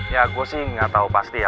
ya gue sih gak tau pasti ya